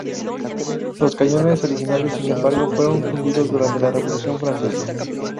Los cañones originales, sin embargo, fueron fundidos durante la Revolución Francesa.